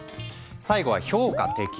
最後は評価適応。